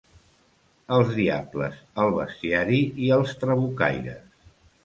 Els diables, el bestiari i els trabucaires.